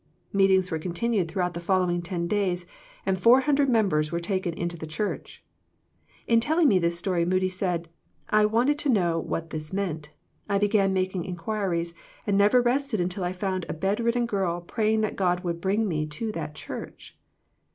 Meetings were continued throughout the following ten days, and four hundred members were taken into the church. In telling me this story Moody said, " I wanted to know what this meant. I began making inquiries and never rested until I found a bed ridden girl praying that God would bring me to that Church.